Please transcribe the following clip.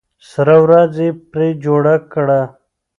سره ورځ یې پرې جوړه کړه.